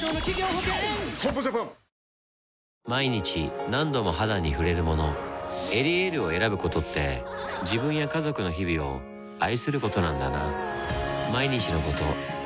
損保ジャパン毎日何度も肌に触れるもの「エリエール」を選ぶことって自分や家族の日々を愛することなんだなぁ